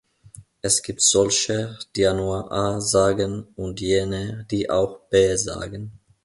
Es gibt solche, die nur A sagen, und jene, die auch B sagen.